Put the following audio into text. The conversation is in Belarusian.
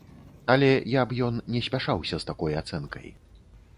Але я б ён не спяшаўся з такой ацэнкай.